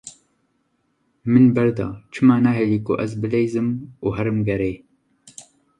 Min berde, çima nahîlî ku ez bileyzim û herim gerê?